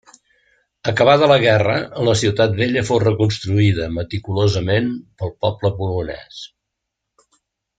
Acabada la guerra, la ciutat vella fou reconstruïda meticulosament pel poble polonés.